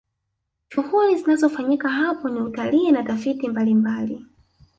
shughuli zinazofanyika hapo ni utalii na tafiti mbalimbali